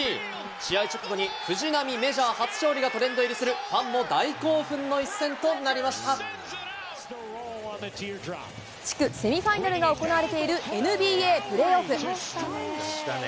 試合直後に、藤浪メジャー初勝利がトレンド入りする、ファンも大興奮の一戦と地区セミファイナルが行われているＮＢＡプレーオフ。